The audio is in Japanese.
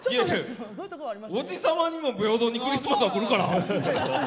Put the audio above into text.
おじ様にも平等にクリスマスはくるから！